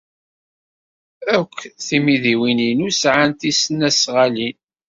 Akk timidiwin-inu sɛant tisnasɣalin.